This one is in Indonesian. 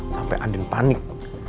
sampai andin panik